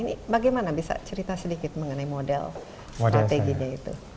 ini bagaimana bisa cerita sedikit mengenai model strateginya itu